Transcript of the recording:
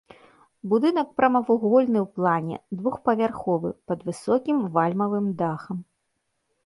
Будынак прамавугольны ў плане, двухпавярховы, пад высокім вальмавым дахам.